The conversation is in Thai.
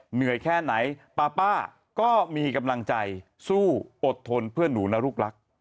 เหนื่อยแค่ไหนป๊าป้าก็มีกำลังใจสู้อดทนเพื่อนหนูนะลูกรัก